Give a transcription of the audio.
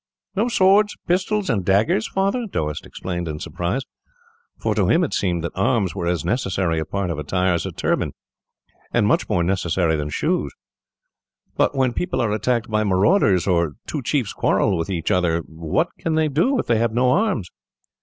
Not swords, pistols, and daggers, Father?" Doast exclaimed, in surprise; for to him it seemed that arms were as necessary a part of attire as a turban, and much more necessary than shoes. "But, when people are attacked by marauders, or two chiefs quarrel with each other, what can they do if they have no arms?"